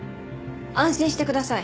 安心してください。